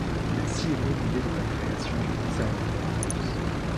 Ainsi est née l'idée de la création du Conservatoire Russe.